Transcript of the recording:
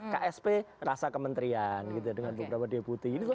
ksp rasa kementerian gitu dengan beberapa deputi